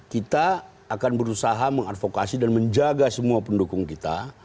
kita akan berusaha mengadvokasi dan menjaga semua pendukung kita